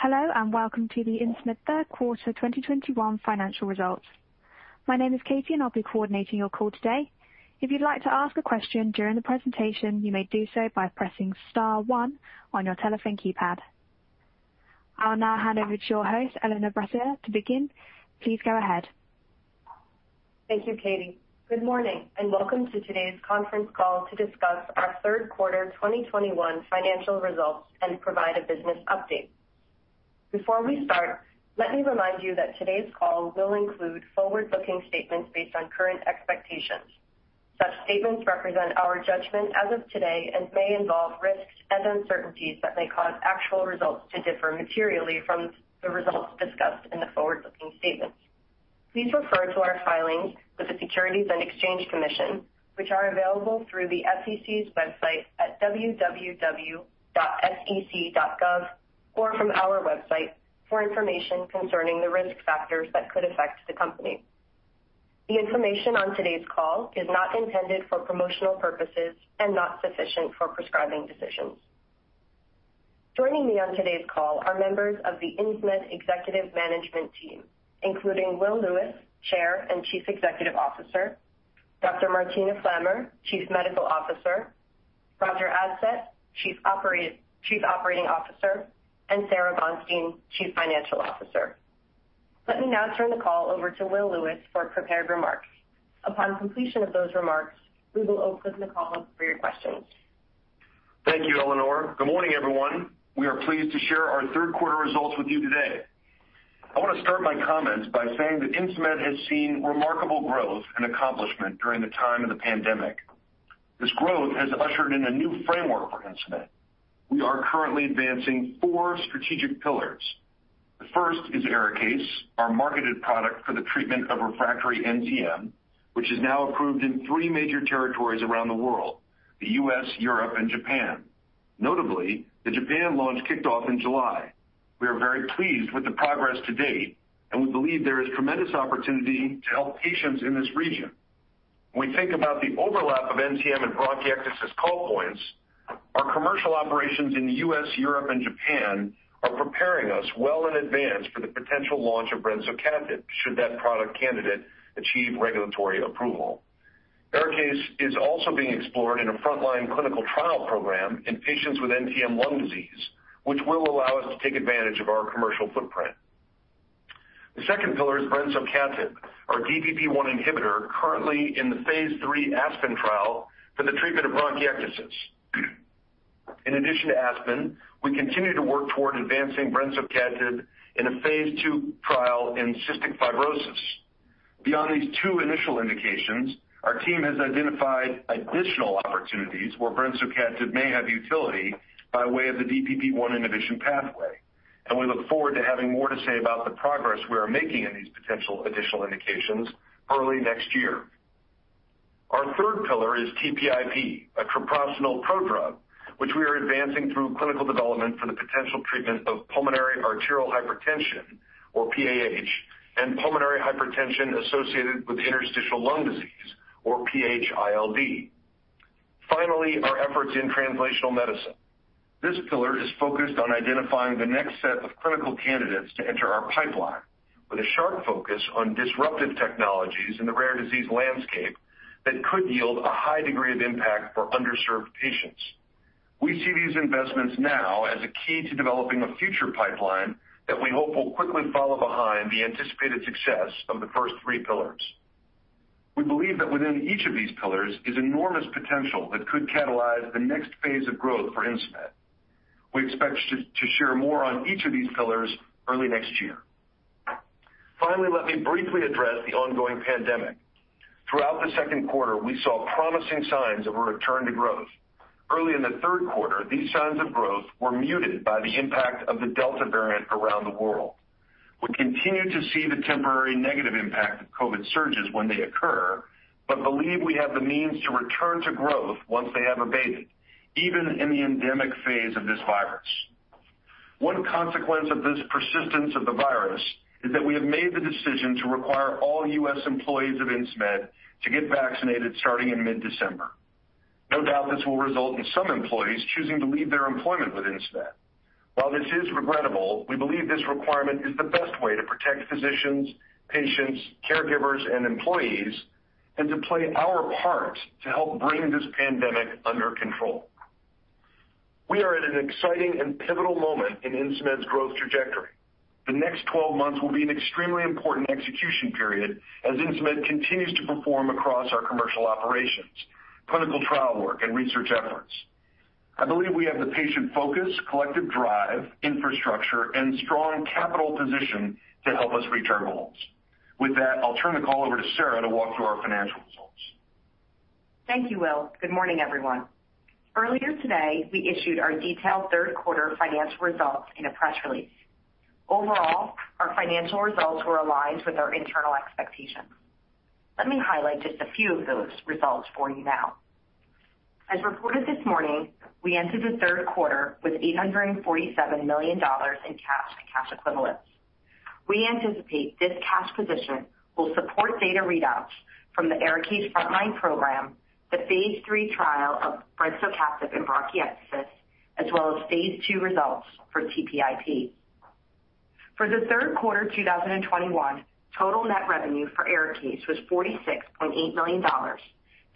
Hello, and welcome to the Insmed third quarter 2021 financial results. My name is Katie, and I'll be coordinating your call today. If you'd like to ask a question during the presentation, you may do so by pressing star one on your telephone keypad. I'll now hand over to your host, Eleanor Barisser, to begin. Please go ahead. Thank you, Katie. Good morning, and welcome to today's conference call to discuss our third quarter 2021 financial results and provide a business update. Before we start, let me remind you that today's call will include forward-looking statements based on current expectations. Such statements represent our judgment as of today and may involve risks and uncertainties that may cause actual results to differ materially from the results discussed in the forward-looking statements. Please refer to our filings with the Securities and Exchange Commission, which are available through the SEC's website at www.sec.gov or from our website for information concerning the risk factors that could affect the company. The information on today's call is not intended for promotional purposes and not sufficient for prescribing decisions. Joining me on today's call are members of the Insmed executive management team, including Will Lewis, Chair and Chief Executive Officer, Dr. Martina Flammer, Chief Medical Officer, Roger Adsett, Chief Operating Officer, and Sara Bonstein, Chief Financial Officer. Let me now turn the call over to Will Lewis for prepared remarks. Upon completion of those remarks, we will open the call up for your questions. Thank you, Eleanor. Good morning, everyone. We are pleased to share our third quarter results with you today. I wanna start my comments by saying that Insmed has seen remarkable growth and accomplishment during the time of the pandemic. This growth has ushered in a new framework for Insmed. We are currently advancing four strategic pillars. The first is ARIKAYCE, our marketed product for the treatment of refractory NTM, which is now approved in three major territories around the world, the U.S., Europe, and Japan. Notably, the Japan launch kicked off in July. We are very pleased with the progress to date, and we believe there is tremendous opportunity to help patients in this region. When we think about the overlap of NTM and bronchiectasis call points, our commercial operations in the U.S., Europe, and Japan are preparing us well in advance for the potential launch of brensocatib should that product candidate achieve regulatory approval. ARIKAYCE is also being explored in a frontline clinical trial program in patients with NTM lung disease, which will allow us to take advantage of our commercial footprint. The second pillar is brensocatib, our DPP-I inhibitor currently in the phase III ASPEN trial for the treatment of bronchiectasis. In addition to ASPEN, we continue to work toward advancing brensocatib in a phase II trial in cystic fibrosis. Beyond these two initial indications, our team has identified additional opportunities where brensocatib may have utility by way of the DPP-I inhibition pathway, and we look forward to having more to say about the progress we are making in these potential additional indications early next year. Our third pillar is TPIP, a treprostinil prodrug, which we are advancing through clinical development for the potential treatment of pulmonary arterial hypertension or PAH and pulmonary hypertension associated with interstitial lung disease or PH-ILD. Finally, our efforts in translational medicine. This pillar is focused on identifying the next set of clinical candidates to enter our pipeline with a sharp focus on disruptive technologies in the rare disease landscape that could yield a high degree of impact for underserved patients. We see these investments now as a key to developing a future pipeline that we hope will quickly follow behind the anticipated success of the first three pillars. We believe that within each of these pillars is enormous potential that could catalyze the next phase of growth for Insmed. We expect to share more on each of these pillars early next year. Finally, let me briefly address the ongoing pandemic. Throughout the second quarter, we saw promising signs of a return to growth. Early in the third quarter, these signs of growth were muted by the impact of the Delta variant around the world. We continue to see the temporary negative impact of COVID surges when they occur, but believe we have the means to return to growth once they have abated, even in the endemic phase of this virus. One consequence of this persistence of the virus is that we have made the decision to require all U.S. employees of Insmed to get vaccinated starting in mid-December. No doubt, this will result in some employees choosing to leave their employment with Insmed. While this is regrettable, we believe this requirement is the best way to protect physicians, patients, caregivers, and employees and to play our part to help bring this pandemic under control. We are at an exciting and pivotal moment in Insmed's growth trajectory. The next 12 months will be an extremely important execution period as Insmed continues to perform across our commercial operations, clinical trial work, and research efforts. I believe we have the patient focus, collective drive, infrastructure, and strong capital position to help us reach our goals. With that, I'll turn the call over to Sara to walk through our financial results. Thank you, Will. Good morning, everyone. Earlier today, we issued our detailed third quarter financial results in a press release. Overall, our financial results were aligned with our internal expectations. Let me highlight just a few of those results for you now. As reported this morning, we entered the third quarter with $847 million in cash and cash equivalents. We anticipate this cash position will support data readouts from the ARIKAYCE frontline program, the phase III trial of brensocatib in bronchiectasis, as well as phase II results for TPIP. For the third quarter 2021, total net revenue for ARIKAYCE was $46.8 million,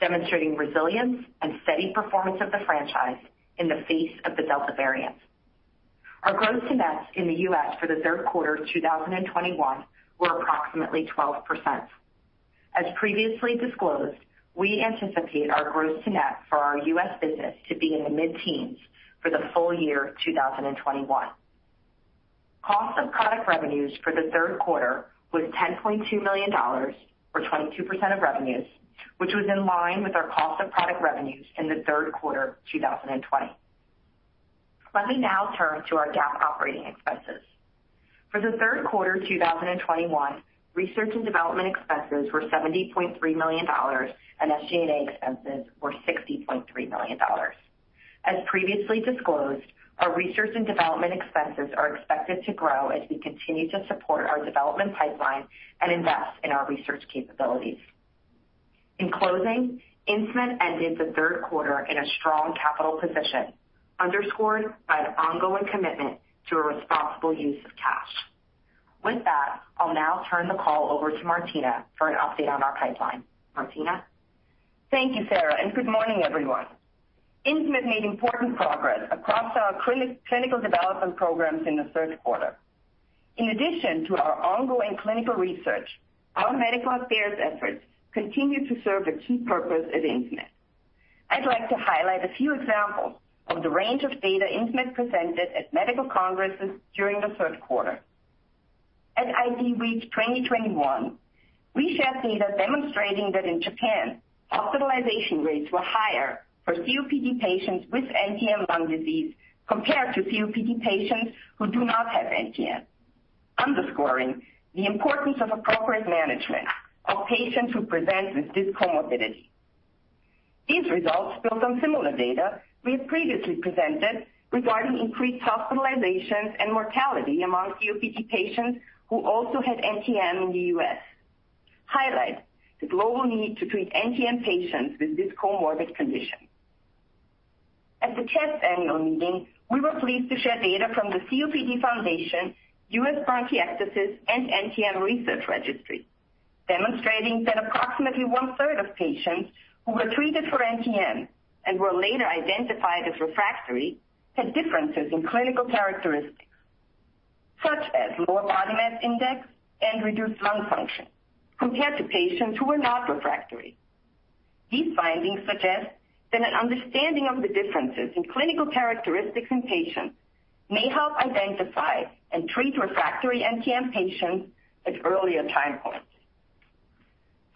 demonstrating resilience and steady performance of the franchise in the face of the Delta variant. Our gross nets in the U.S. for the third quarter 2021 were approximately 12%. As previously disclosed, we anticipate our gross net for our U.S. business to be in the mid-teens for the full year 2021. Cost of product revenues for the third quarter was $10.2 million, or 22% of revenues, which was in line with our cost of product revenues in the third quarter 2020. Let me now turn to our GAAP operating expenses. For the third quarter 2021, research and development expenses were $70.3 million, and SG&A expenses were $60.3 million. As previously disclosed, our research and development expenses are expected to grow as we continue to support our development pipeline and invest in our research capabilities. In closing, Insmed ended the third quarter in a strong capital position, underscored by an ongoing commitment to a responsible use of cash. With that, I'll now turn the call over to Martina for an update on our pipeline. Martina? Thank you, Sara, and good morning, everyone. Insmed made important progress across our clinical development programs in the third quarter. In addition to our ongoing clinical research, our medical affairs efforts continue to serve a key purpose at Insmed. I'd like to highlight a few examples of the range of data Insmed presented at medical congresses during the third quarter. At IDWeek 2021, we shared data demonstrating that in Japan, hospitalization rates were higher for COPD patients with NTM lung disease compared to COPD patients who do not have NTM, underscoring the importance of appropriate management of patients who present with this comorbidity. These results build on similar data we have previously presented regarding increased hospitalizations and mortality among COPD patients who also had NTM in the U.S., highlight the global need to treat NTM patients with this comorbid condition. At the CHEST annual meeting, we were pleased to share data from the COPD Foundation, U.S. Bronchiectasis and NTM Research Registry, demonstrating that approximately one-third of patients who were treated for NTM and were later identified as refractory had differences in clinical characteristics such as lower body mass index and reduced lung function compared to patients who were not refractory. These findings suggest that an understanding of the differences in clinical characteristics in patients may help identify and treat refractory NTM patients at earlier time points.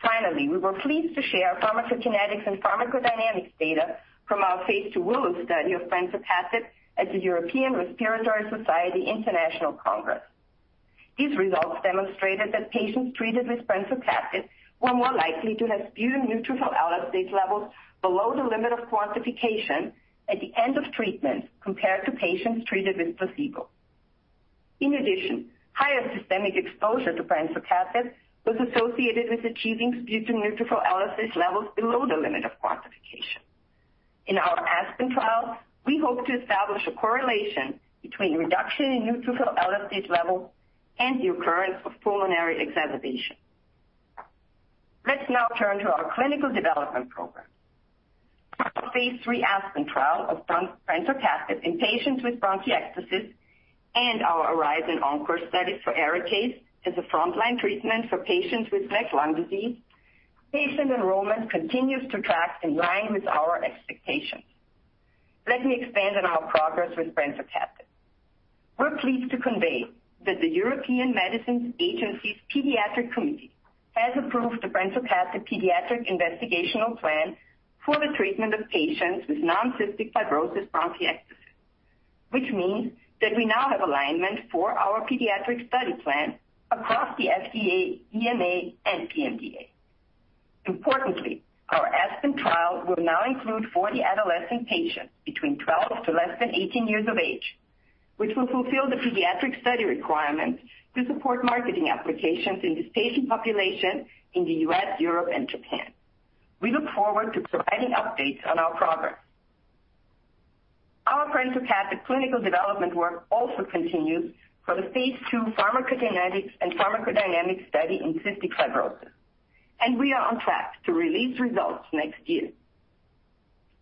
Finally, we were pleased to share pharmacokinetics and pharmacodynamics data from our phase II WILLOW study of brensocatib at the European Respiratory Society International Congress. These results demonstrated that patients treated with brensocatib were more likely to have sputum neutrophil elastase levels below the limit of quantification at the end of treatment compared to patients treated with placebo. In addition, higher systemic exposure to brensocatib was associated with achieving sputum neutrophil elastase levels below the limit of quantification. In our ASPEN trial, we hope to establish a correlation between reduction in neutrophil elastase level and the occurrence of pulmonary exacerbation. Let's now turn to our clinical development program. Our phase III ASPEN trial of brensocatib in patients with bronchiectasis and our ARISE/ENCORE study for ARIKAYCE as a frontline treatment for patients with NTM lung disease, patient enrollment continues to track in line with our expectations. Let me expand on our progress with brensocatib. We're pleased to convey that the European Medicines Agency's pediatric committee has approved the brensocatib pediatric investigational plan for the treatment of patients with non-cystic fibrosis bronchiectasis. which means that we now have alignment for our pediatric study plan across the FDA, EMA, and PMDA. Importantly, our ASPEN trial will now include 40 adolescent patients between 12 to less than 18 years of age, which will fulfill the pediatric study requirements to support marketing applications in this patient population in the U.S., Europe, and Japan. We look forward to providing updates on our progress. Our brensocatib clinical development work also continues for the phase II pharmacokinetics and pharmacodynamics study in cystic fibrosis, and we are on track to release results next year.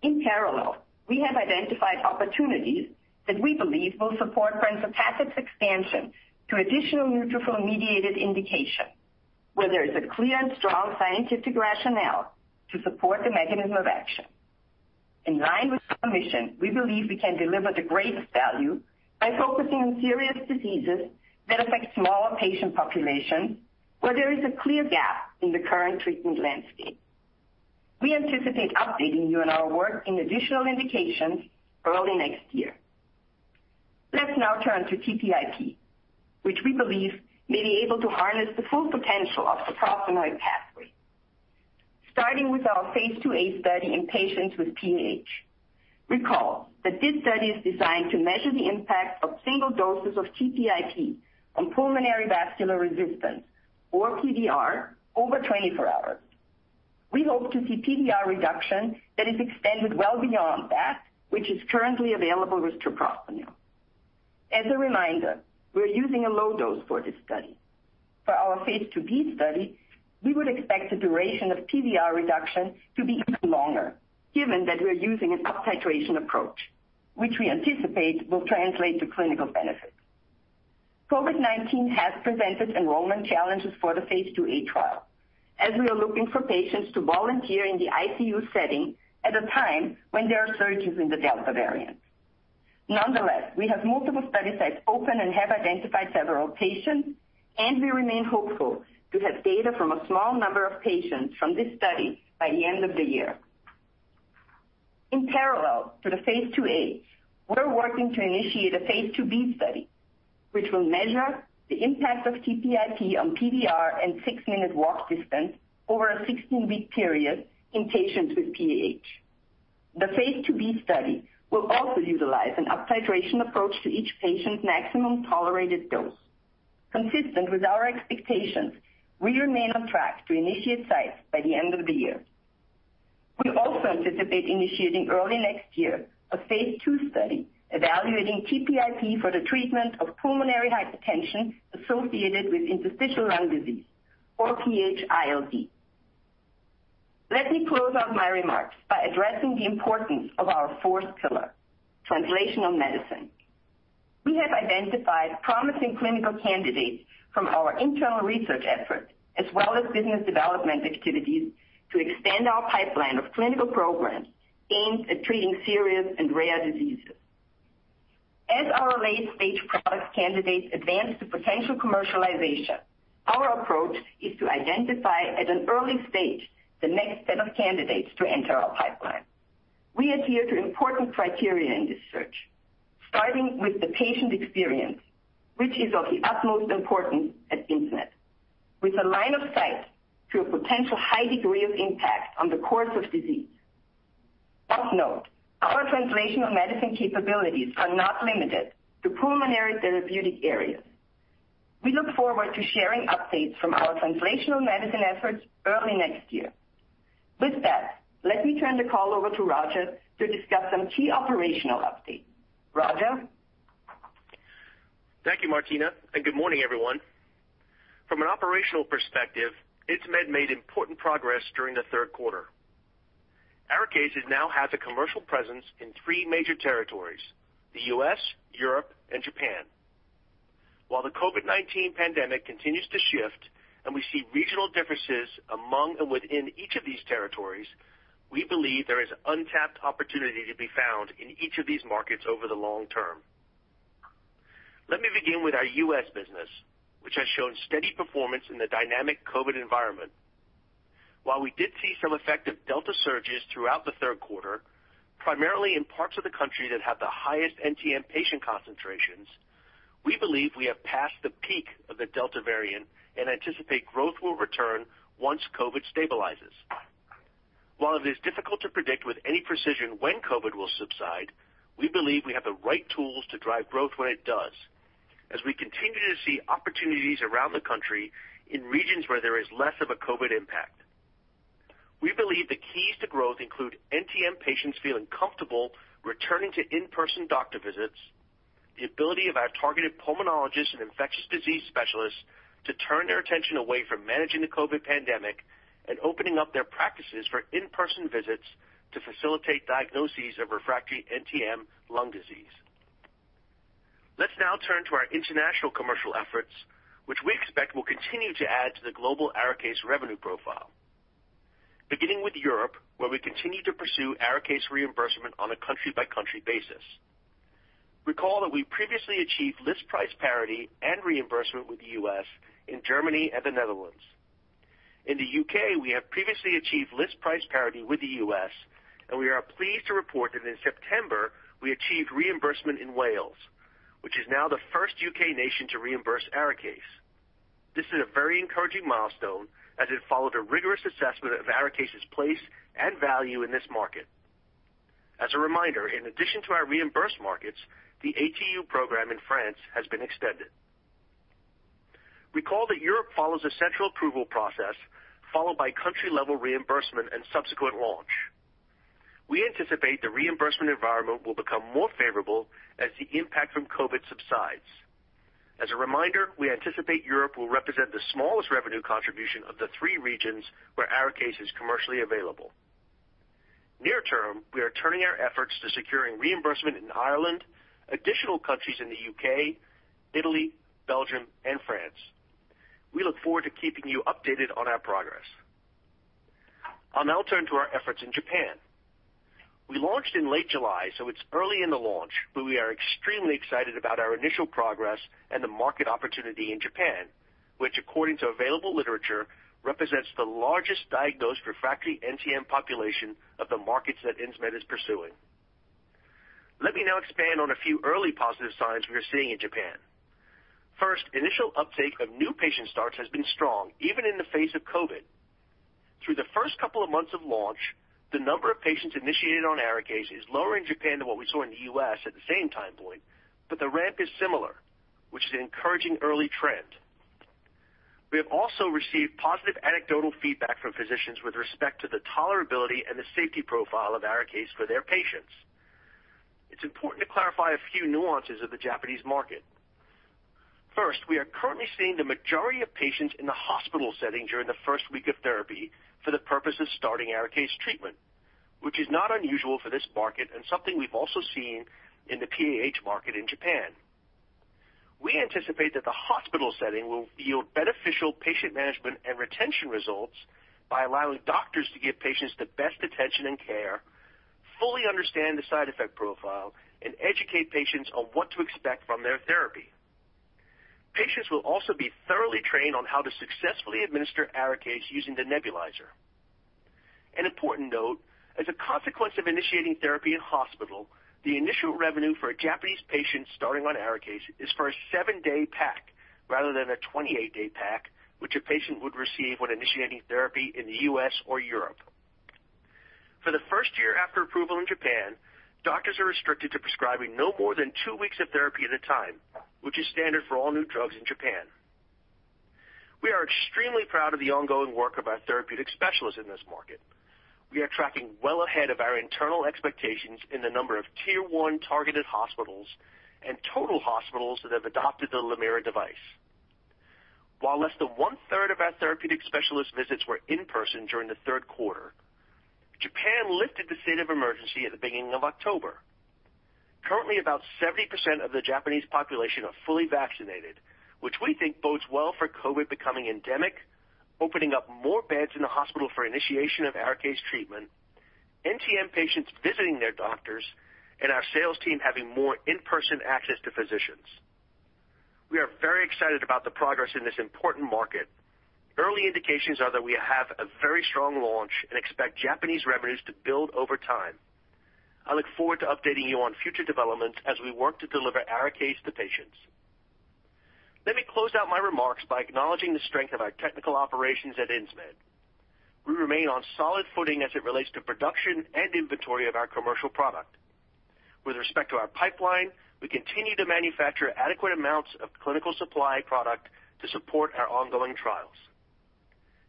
In parallel, we have identified opportunities that we believe will support brensocatib's expansion to additional neutrophil-mediated indications, where there is a clear and strong scientific rationale to support the mechanism of action. In line with our mission, we believe we can deliver the greatest value by focusing on serious diseases that affect smaller patient populations where there is a clear gap in the current treatment landscape. We anticipate updating you on our work in additional indications early next year. Let's now turn to TPIP, which we believe may be able to harness the full potential of the prostanoid pathway. Starting with our phase II-A study in patients with PAH. Recall that this study is designed to measure the impact of single doses of TPIP on pulmonary vascular resistance or PVR over 24 hours. We hope to see PVR reduction that is extended well beyond that which is currently available with treprostinil. As a reminder, we're using a low dose for this study. For our phase II-B study, we would expect the duration of PVR reduction to be even longer, given that we're using an up titration approach, which we anticipate will translate to clinical benefit. COVID-19 has presented enrollment challenges for the phase II-A trial, as we are looking for patients to volunteer in the ICU setting at a time when there are surges in the Delta variant. Nonetheless, we have multiple study sites open and have identified several patients, and we remain hopeful to have data from a small number of patients from this study by the end of the year. In parallel to the phase II-A, we're working to initiate a phase II-B study, which will measure the impact of TPIP on PVR and 6-minute walk distance over a 16-week period in patients with PAH. The phase II-B study will also utilize an up titration approach to each patient's maximum tolerated dose. Consistent with our expectations, we remain on track to initiate sites by the end of the year. We also anticipate initiating early next year a phase II study evaluating TPIP for the treatment of pulmonary hypertension associated with interstitial lung disease or PHILD. Let me close out my remarks by addressing the importance of our fourth pillar, translational medicine. We have identified promising clinical candidates from our internal research efforts as well as business development activities to extend our pipeline of clinical programs aimed at treating serious and rare diseases. As our late-stage product candidates advance to potential commercialization, our approach is to identify at an early stage the next set of candidates to enter our pipeline. We adhere to important criteria in this search, starting with the patient experience, which is of the utmost importance at Insmed, with a line of sight to a potential high degree of impact on the course of disease. Of note, our translational medicine capabilities are not limited to pulmonary therapeutic areas. We look forward to sharing updates from our translational medicine efforts early next year. With that, let me turn the call over to Roger to discuss some key operational updates. Roger? Thank you, Martina, and good morning, everyone. From an operational perspective, Insmed made important progress during the third quarter. ARIKAYCE has now had the commercial presence in three major territories, the U.S., Europe, and Japan. While the COVID-19 pandemic continues to shift and we see regional differences among and within each of these territories, we believe there is untapped opportunity to be found in each of these markets over the long term. Let me begin with our U.S. business, which has shown steady performance in the dynamic COVID environment. While we did see some effect of Delta surges throughout the third quarter, primarily in parts of the country that have the highest NTM patient concentrations, we believe we have passed the peak of the Delta variant and anticipate growth will return once COVID stabilizes. While it is difficult to predict with any precision when COVID will subside, we believe we have the right tools to drive growth when it does, as we continue to see opportunities around the country in regions where there is less of a COVID impact. We believe the keys to growth include NTM patients feeling comfortable returning to in-person doctor visits, the ability of our targeted pulmonologists and infectious disease specialists to turn their attention away from managing the COVID pandemic and opening up their practices for in-person visits to facilitate diagnoses of refractory NTM lung disease. Let's now turn to our international commercial efforts, which we expect will continue to add to the global ARIKAYCE revenue profile. Beginning with Europe, where we continue to pursue ARIKAYCE reimbursement on a country-by-country basis. Recall that we previously achieved list price parity and reimbursement with the U.S. in Germany and the Netherlands. In the U.K., we have previously achieved list price parity with the U.S., and we are pleased to report that in September, we achieved reimbursement in Wales, which is now the first U.K. nation to reimburse ARIKAYCE. This is a very encouraging milestone as it followed a rigorous assessment of ARIKAYCE's place and value in this market. As a reminder, in addition to our reimbursed markets, the ATU program in France has been extended. Recall that Europe follows a central approval process, followed by country-level reimbursement and subsequent launch. We anticipate the reimbursement environment will become more favorable as the impact from COVID subsides. As a reminder, we anticipate Europe will represent the smallest revenue contribution of the three regions where ARIKAYCE is commercially available. Near term, we are turning our efforts to securing reimbursement in Ireland, additional countries in the U.K., Italy, Belgium, and France. We look forward to keeping you updated on our progress. I'll now turn to our efforts in Japan. We launched in late July, so it's early in the launch, but we are extremely excited about our initial progress and the market opportunity in Japan, which according to available literature, represents the largest diagnosed refractory NTM population of the markets that Insmed is pursuing. Let me now expand on a few early positive signs we are seeing in Japan. First, initial uptake of new patient starts has been strong even in the face of COVID. Through the first couple of months of launch, the number of patients initiated on ARIKAYCE is lower in Japan than what we saw in the U.S. at the same time point, but the ramp is similar, which is an encouraging early trend. We have also received positive anecdotal feedback from physicians with respect to the tolerability and the safety profile of ARIKAYCE for their patients. It's important to clarify a few nuances of the Japanese market. First, we are currently seeing the majority of patients in the hospital setting during the first week of therapy for the purpose of starting ARIKAYCE treatment, which is not unusual for this market and something we've also seen in the PAH market in Japan. We anticipate that the hospital setting will yield beneficial patient management and retention results by allowing doctors to give patients the best attention and care, fully understand the side effect profile, and educate patients on what to expect from their therapy. Patients will also be thoroughly trained on how to successfully administer ARIKAYCE using the nebulizer. An important note, as a consequence of initiating therapy in hospital, the initial revenue for a Japanese patient starting on ARIKAYCE is for a seven-day pack rather than a 28-day pack, which a patient would receive when initiating therapy in the U.S. or Europe. For the first year after approval in Japan, doctors are restricted to prescribing no more than two weeks of therapy at a time, which is standard for all new drugs in Japan. We are extremely proud of the ongoing work of our therapeutic specialists in this market. We are tracking well ahead of our internal expectations in the number of tier one targeted hospitals and total hospitals that have adopted the Lamira device. While less than 1/3 of our therapeutic specialist visits were in-person during the third quarter, Japan lifted the state of emergency at the beginning of October. Currently, about 70% of the Japanese population are fully vaccinated, which we think bodes well for COVID becoming endemic, opening up more beds in the hospital for initiation of ARIKAYCE treatment, NTM patients visiting their doctors, and our sales team having more in-person access to physicians. We are very excited about the progress in this important market. Early indications are that we have a very strong launch and expect Japanese revenues to build over time. I look forward to updating you on future developments as we work to deliver ARIKAYCE to patients. Let me close out my remarks by acknowledging the strength of our technical operations at Insmed. We remain on solid footing as it relates to production and inventory of our commercial product. With respect to our pipeline, we continue to manufacture adequate amounts of clinical supply product to support our ongoing trials.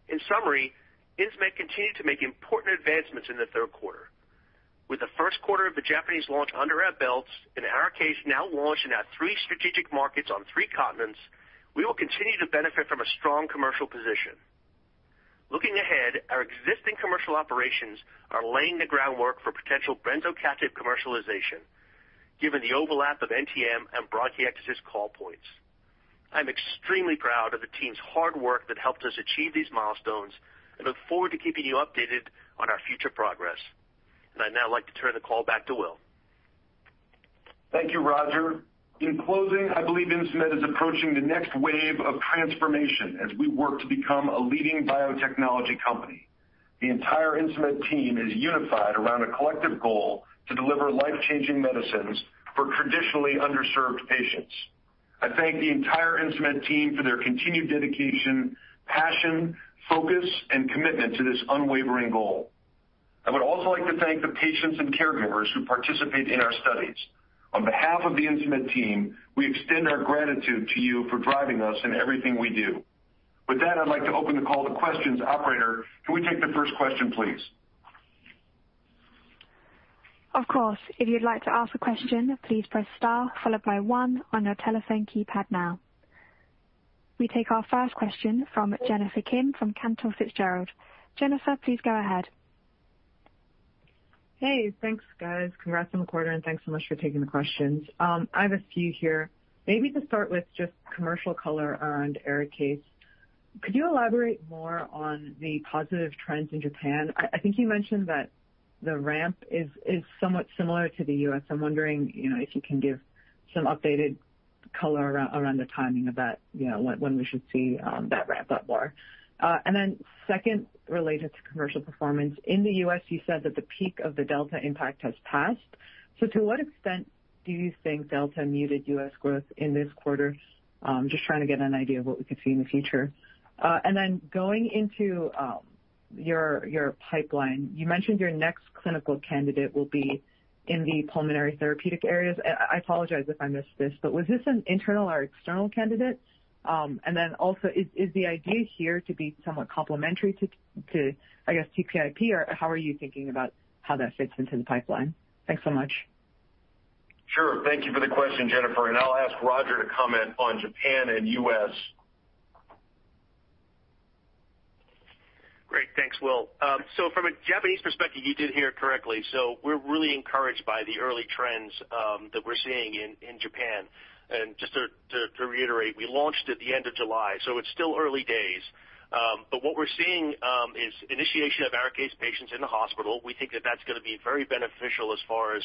In summary, Insmed continued to make important advancements in the third quarter. With the first quarter of the Japanese launch under our belts and ARIKAYCE now launched in our three strategic markets on three continents, we will continue to benefit from a strong commercial position. Looking ahead, our existing commercial operations are laying the groundwork for potential brensocatib commercialization given the overlap of NTM and bronchiectasis call points. I'm extremely proud of the team's hard work that helped us achieve these milestones and look forward to keeping you updated on our future progress. I'd now like to turn the call back to Will. Thank you, Roger. In closing, I believe Insmed is approaching the next wave of transformation as we work to become a leading biotechnology company. The entire Insmed team is unified around a collective goal to deliver life-changing medicines for traditionally underserved patients. I thank the entire Insmed team for their continued dedication, passion, focus, and commitment to this unwavering goal. I would also like to thank the patients and caregivers who participate in our studies. On behalf of the Insmed team, we extend our gratitude to you for driving us in everything we do. With that, I'd like to open the call to questions. Operator, can we take the first question, please? Of course. If you'd like to ask a question, please press star followed by one on your telephone keypad now. We take our first question from Jennifer Kim from Cantor Fitzgerald. Jennifer, please go ahead. Hey, thanks, guys. Congrats on the quarter, and thanks so much for taking the questions. I have a few here. Maybe to start with just commercial color around ARIKAYCE. Could you elaborate more on the positive trends in Japan? I think you mentioned that the ramp is somewhat similar to the U.S. I'm wondering, you know, if you can give some updated color around the timing of that, you know, when we should see that ramp-up more. Second, related to commercial performance. In the U.S., you said that the peak of the Delta impact has passed. To what extent do you think Delta muted U.S. growth in this quarter? Just trying to get an idea of what we could see in the future. Going into your pipeline, you mentioned your next clinical candidate will be in the pulmonary therapeutic areas. I apologize if I missed this, but was this an internal or external candidate? Is the idea here to be somewhat complementary to, I guess, TPIP, or how are you thinking about how that fits into the pipeline? Thanks so much. Sure. Thank you for the question, Jennifer, and I'll ask Roger to comment on Japan and U.S. Great. Thanks, Will. From a Japanese perspective, you did hear correctly. We're really encouraged by the early trends that we're seeing in Japan. Just to reiterate, we launched at the end of July, so it's still early days. What we're seeing is initiation of ARIKAYCE patients in the hospital. We think that that's gonna be very beneficial as far as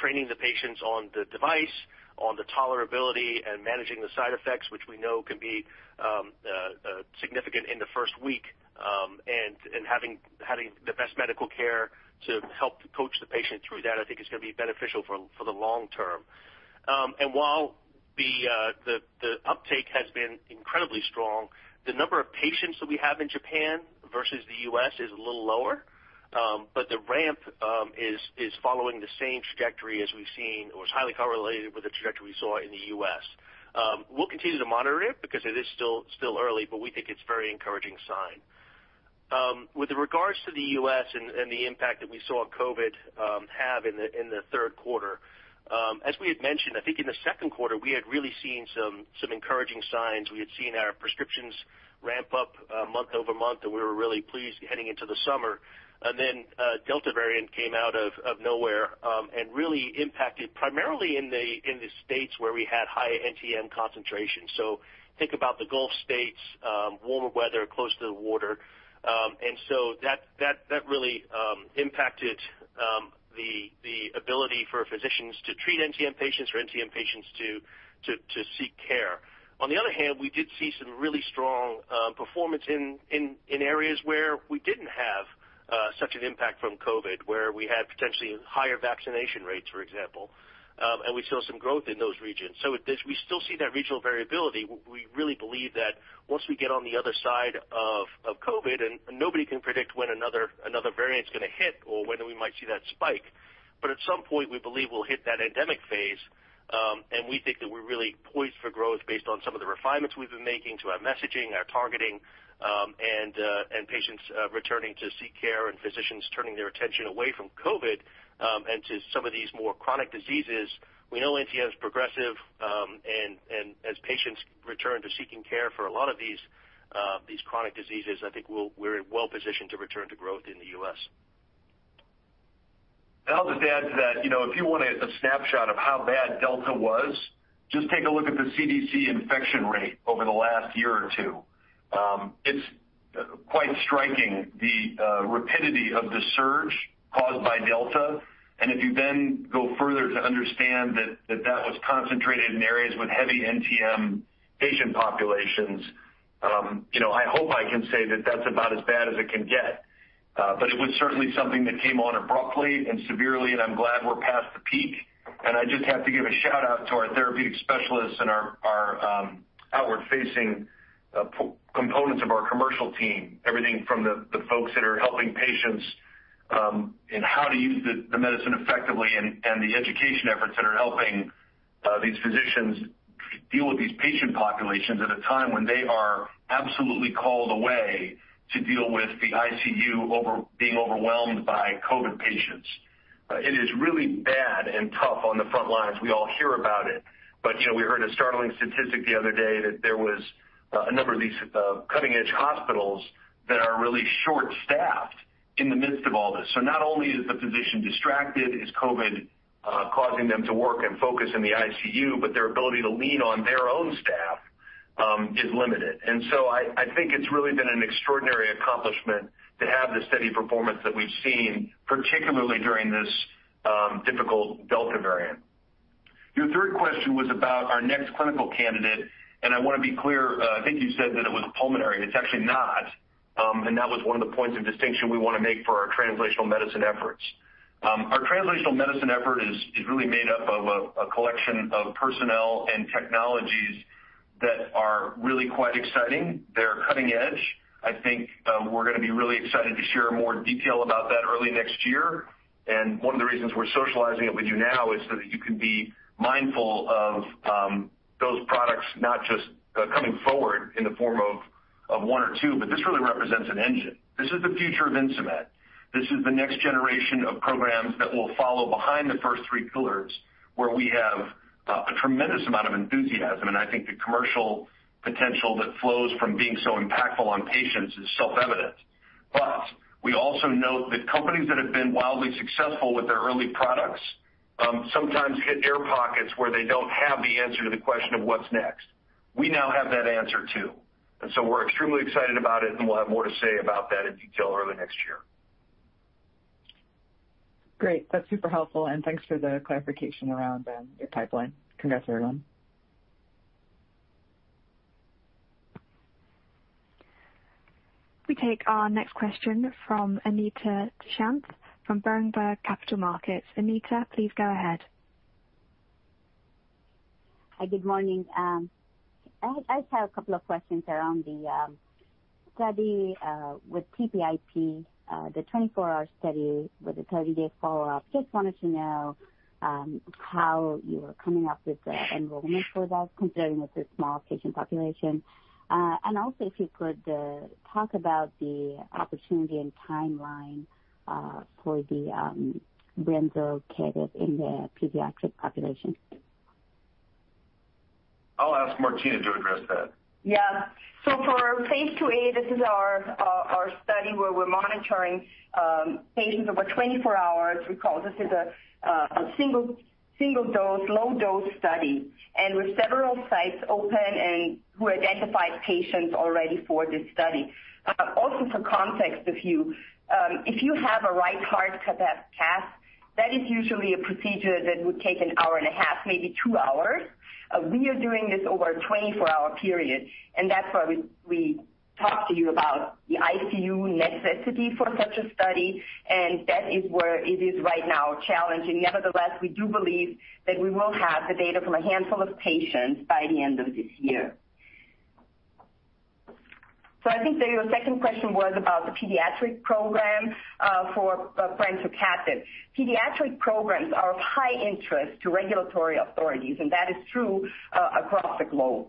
training the patients on the device, on the tolerability, and managing the side effects, which we know can be significant in the first week. Having the best medical care to help coach the patient through that, I think is gonna be beneficial for the long term. The uptake has been incredibly strong. The number of patients that we have in Japan versus the U.S. is a little lower, but the ramp is following the same trajectory as we've seen or is highly correlated with the trajectory we saw in the U.S. We'll continue to monitor it because it is still early, but we think it's very encouraging sign. With regards to the U.S. and the impact that we saw COVID have in the third quarter, as we had mentioned, I think in the second quarter, we had really seen some encouraging signs. We had seen our prescriptions ramp up month-over-month, and we were really pleased heading into the summer. Then, Delta variant came out of nowhere and really impacted primarily in the states where we had high NTM concentration. Think about the Gulf states, warmer weather, close to the water. That really impacted the ability for physicians to treat NTM patients or NTM patients to seek care. On the other hand, we did see some really strong performance in areas where we didn't have such an impact from COVID, where we had potentially higher vaccination rates, for example. We saw some growth in those regions. We still see that regional variability. We really believe that once we get on the other side of COVID, and nobody can predict when another variant's gonna hit or whether we might see that spike, but at some point, we believe we'll hit that endemic phase. We think that we're really poised for growth based on some of the refinements we've been making to our messaging, our targeting, and patients returning to seek care and physicians turning their attention away from COVID, and to some of these more chronic diseases. We know NTM is progressive, and as patients return to seeking care for a lot of these chronic diseases, I think we're well-positioned to return to growth in the U.S. I'll just add to that. You know, if you want a snapshot of how bad Delta was, just take a look at the CDC infection rate over the last year or two. It's quite striking, the rapidity of the surge caused by Delta. If you then go further to understand that was concentrated in areas with heavy NTM patient populations, you know, I hope I can say that that's about as bad as it can get. It was certainly something that came on abruptly and severely, and I'm glad we're past the peak. I just have to give a shout-out to our therapeutic specialists and our outward-facing p-components of our commercial team, everything from the folks that are helping patients in how to use the medicine effectively and the education efforts that are helping these physicians deal with these patient populations at a time when they are absolutely called away to deal with the ICU being overwhelmed by COVID patients. It is really bad and tough on the front lines. We all hear about it. You know, we heard a startling statistic the other day that there was a number of these cutting-edge hospitals that are really short-staffed in the midst of all this. Not only is the physician distracted, is COVID causing them to work and focus in the ICU, but their ability to lean on their own staff is limited. I think it's really been an extraordinary accomplishment to have the steady performance that we've seen, particularly during this difficult Delta variant. Your third question was about our next clinical candidate, and I wanna be clear. I think you said that it was pulmonary. It's actually not. That was one of the points of distinction we wanna make for our translational medicine efforts. Our translational medicine effort is really made up of a collection of personnel and technologies that are really quite exciting. They're cutting edge. I think we're gonna be really excited to share more detail about that early next year. One of the reasons we're socializing it with you now is so that you can be mindful of those products not just coming forward in the form of one or two, but this really represents an engine. This is the future of Insmed. This is the next generation of programs that will follow behind the first three pillars, where we have a tremendous amount of enthusiasm, and I think the commercial potential that flows from being so impactful on patients is self-evident. We also note that companies that have been wildly successful with their early products sometimes hit air pockets where they don't have the answer to the question of what's next. We now have that answer, too, and so we're extremely excited about it, and we'll have more to say about that in detail early next year. Great. That's super helpful, and thanks for the clarification around your pipeline. Congrats, everyone. We take our next question from Anita Dushyanth from Berenberg Capital Markets. Anita, please go ahead. Hi, good morning. I just had a couple of questions around the study with TPIP, the 24-hour study with a 30-day follow-up. Just wanted to know how you are coming up with the enrollment for that considering with the small patient population. And also if you could talk about the opportunity and timeline for the brensocatib in the pediatric population. I'll ask Martina to address that. For phase II-A, this is our study where we're monitoring patients over 24 hours. Recall this is a single-dose, low-dose study, and with several sites open and we've identified patients already for this study. Also for context, if you have a right heart cath, that cath is usually a procedure that would take an hour and a half, maybe two hours. We are doing this over a 24-hour period, and that's why we talk to you about the ICU necessity for such a study, and that is why it is right now challenging. Nevertheless, we do believe that we will have the data from a handful of patients by the end of this year. I think that your second question was about the pediatric program for TPIP. Pediatric programs are of high interest to regulatory authorities, and that is true across the globe.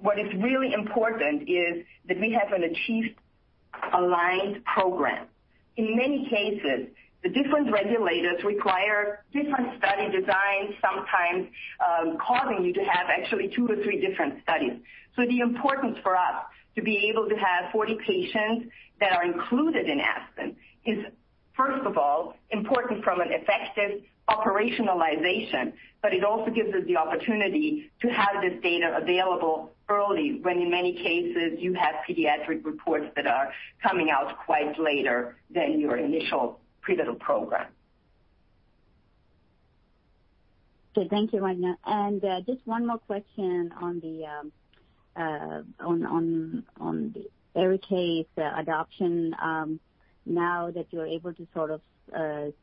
What is really important is that we have achieved an aligned program. In many cases, the different regulators require different study designs, sometimes causing you to have actually two-three different studies. The importance for us to be able to have 40 patients that are included in ASPEN is, first of all, important from an effective operationalization, but it also gives us the opportunity to have this data available early, when in many cases you have pediatric reports that are coming out quite later than your initial pivotal program. Okay, thank you, Dr. Martina Flammer. Just one more question on the ARIKAYCE adoption, now that you're able to sort of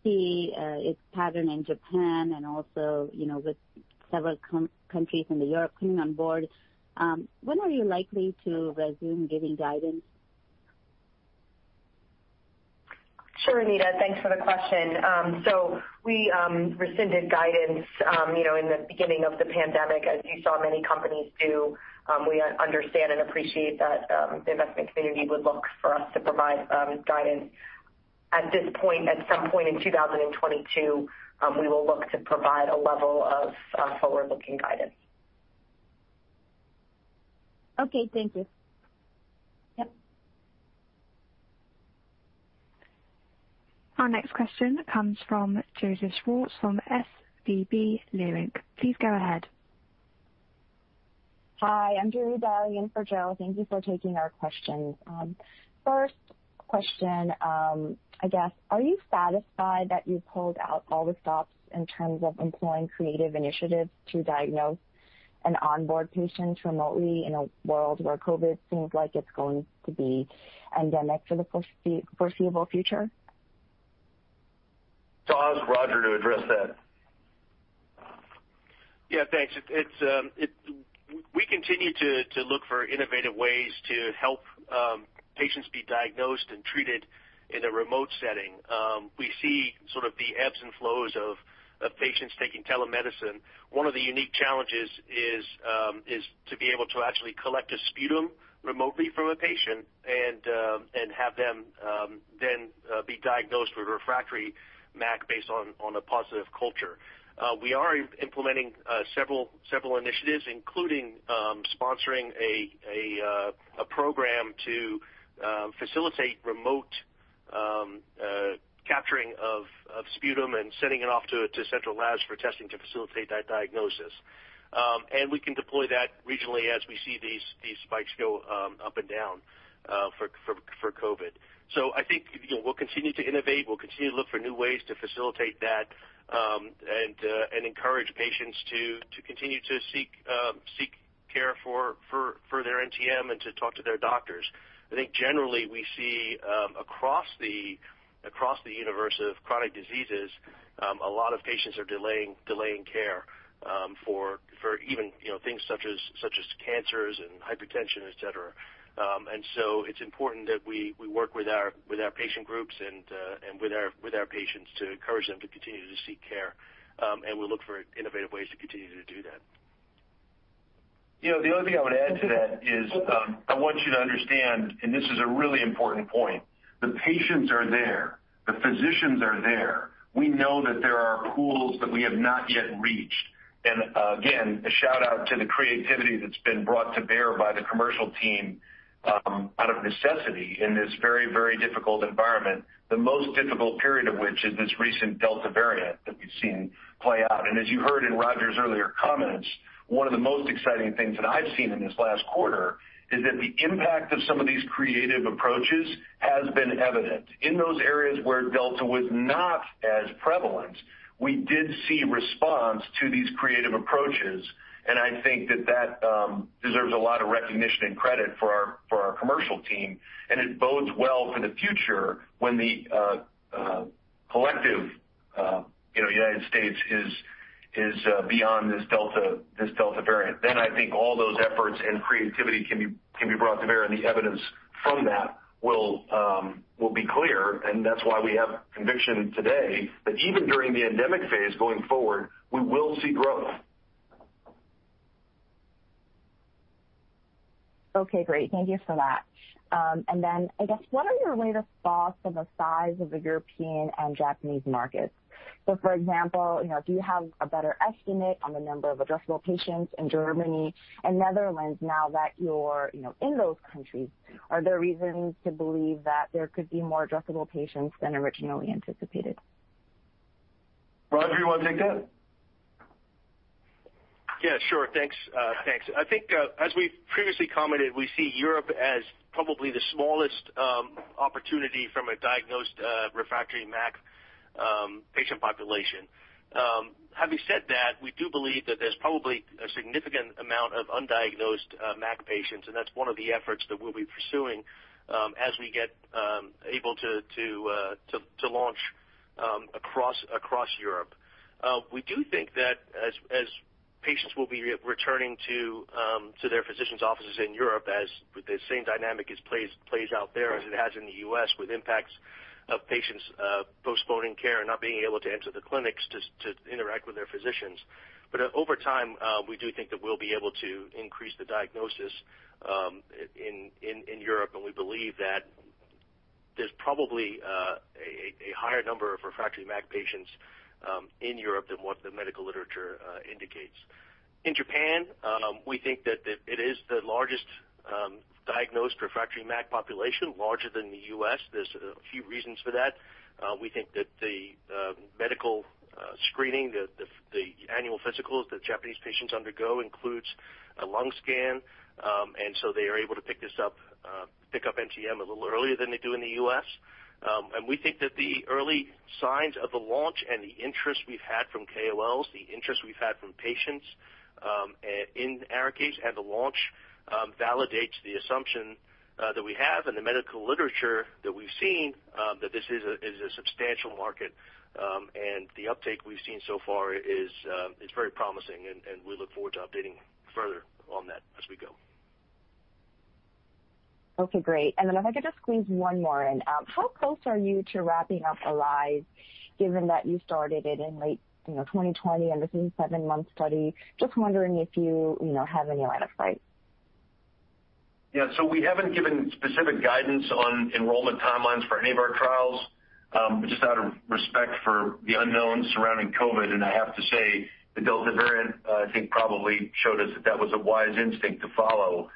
see its pattern in Japan and also, you know, with several countries in Europe coming on board, when are you likely to resume giving guidance? Sure, Anita. Thanks for the question. We rescinded guidance, you know, in the beginning of the pandemic, as you saw many companies do. We understand and appreciate that the investment community would look for us to provide guidance. At this point, at some point in 2022, we will look to provide a level of forward-looking guidance. Okay, thank you. Yep. Our next question comes from Joseph Schwartz from SVB Leerink. Please go ahead. Hi, I'm Julie dialing in for Joe. Thank you for taking our questions. First question, I guess, are you satisfied that you pulled out all the stops in terms of employing creative initiatives to diagnose and onboard patients remotely in a world where COVID seems like it's going to be endemic for the foreseeable future? I'll ask Roger to address that. Yeah, thanks. It's we continue to look for innovative ways to help patients be diagnosed and treated in a remote setting. We see sort of the ebbs and flows of patients taking telemedicine. One of the unique challenges is to be able to actually collect a sputum remotely from a patient and have them then be diagnosed with refractory MAC based on a positive culture. We are implementing several initiatives, including sponsoring a program to facilitate remote capturing of sputum and sending it off to central labs for testing to facilitate that diagnosis. We can deploy that regionally as we see these spikes go up and down for COVID. I think, you know, we'll continue to innovate, we'll continue to look for new ways to facilitate that, and encourage patients to continue to seek care for their NTM and to talk to their doctors. I think generally we see across the universe of chronic diseases a lot of patients are delaying care for even, you know, things such as cancers and hypertension, et cetera. It's important that we work with our patient groups and with our patients to encourage them to continue to seek care, and we'll look for innovative ways to continue to do that. You know, the other thing I would add to that is, I want you to understand, and this is a really important point, the patients are there, the physicians are there. We know that there are pools that we have not yet reached. Again, a shout out to the creativity that's been brought to bear by the commercial team, out of necessity in this very, very difficult environment, the most difficult period of which is this recent Delta variant that we've seen play out. As you heard in Roger's earlier comments, one of the most exciting things that I've seen in this last quarter is that the impact of some of these creative approaches has been evident. In those areas where Delta was not as prevalent, we did see response to these creative approaches, and I think that deserves a lot of recognition and credit for our commercial team. It bodes well for the future when the collective United States is beyond this Delta variant. I think all those efforts and creativity can be brought to bear, and the evidence from that will be clear. That's why we have conviction today that even during the endemic phase going forward, we will see growth. Okay, great. Thank you for that. I guess what are your latest thoughts on the size of the European and Japanese markets? For example, you know, do you have a better estimate on the number of addressable patients in Germany and Netherlands now that you're, you know, in those countries? Are there reasons to believe that there could be more addressable patients than originally anticipated? Roger, you wanna take that? Yeah, sure. Thanks, thanks. I think, as we've previously commented, we see Europe as probably the smallest opportunity from a diagnosed refractory MAC patient population. Having said that, we do believe that there's probably a significant amount of undiagnosed MAC patients, and that's one of the efforts that we'll be pursuing as we get able to to launch across Europe. We do think that as patients will be returning to their physician's offices in Europe as the same dynamic plays out there as it has in the U.S. with impacts of patients postponing care and not being able to enter the clinics to interact with their physicians. Over time, we do think that we'll be able to increase the diagnosis in Europe, and we believe that there's probably a higher number of refractory MAC patients in Europe than what the medical literature indicates. In Japan, we think that it is the largest diagnosed refractory MAC population, larger than the U.S. There's a few reasons for that. We think that the medical screening, the annual physicals that Japanese patients undergo includes a lung scan, and so they are able to pick up NTM a little earlier than they do in the U.S. We think that the early signs of the launch and the interest we've had from KOLs, the interest we've had from patients, in ARIKAYCE and the launch, validates the assumption that we have in the medical literature that we've seen, that this is a substantial market. The uptake we've seen so far is very promising, and we look forward to updating further on that as we go. Okay, great. If I could just squeeze one more in. How close are you to wrapping up ARISE given that you started it in late, you know, 2020, and this is a seven-month study? Just wondering if you know, have any line of sight. Yeah. We haven't given specific guidance on enrollment timelines for any of our trials, just out of respect for the unknown surrounding COVID, and I have to say the Delta variant, I think probably showed us that that was a wise instinct to follow.